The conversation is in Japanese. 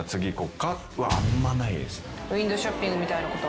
ウインドーショッピングみたいな。